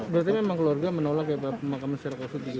berarti memang keluarga menolak pemakaman serakasut itu